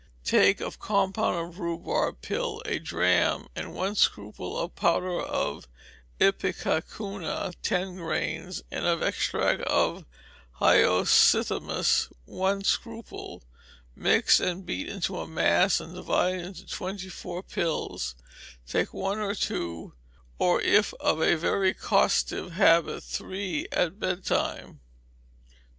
Take of compound rhubarb pill a drachm and one scruple, of powdered ipecacuanha ten grains, and of extract of hyoscyamus one scruple; mix, and beat into a mass, and divide into twenty four pills; take one or two, or if of a very costive habit, three at bedtime.